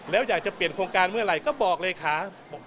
แล้วอยากจะเปลี่ยนโครงการเมื่อไหร่ก็บอกเลยค่ะ